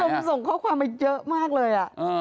โหคุณผู้ชมส่งข้อความมาเยอะมากเลย